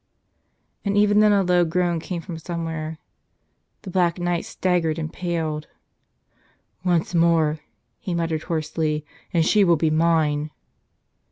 And even then a low groan came from somewhere. The Black Knight staggered and paled. "Once more," he muttered hoarsely, "and she will be mine!"